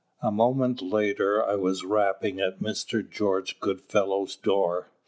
A moment later I was rapping at Mr. George Goodfellow's door.